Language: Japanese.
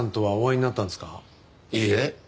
いいえ。